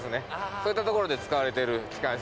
そういったところで使われてる機関車になります。